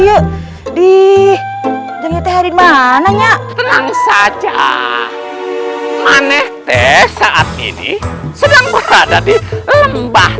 kiyuk di dengerte hari mananya tenang saja maneh teh saat ini sedang berada di lembah